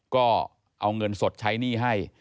ก็เอาเงินสดใช้หนี้ให้